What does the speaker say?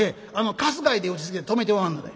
かすがいで打ちつけて止めておまんので」。